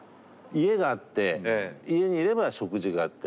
家があって家にいれば食事があって。